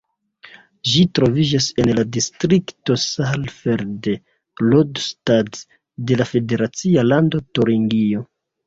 Ĝi troviĝas en la distrikto Saalfeld-Rudolstadt de la federacia lando Turingio.